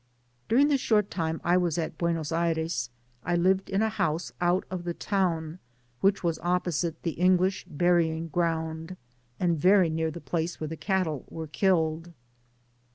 During the short tiine I was at Buenos Aires, I lived in a house out of the town, which was oppo site the English burying ground, and very near the place where the cattle were killed.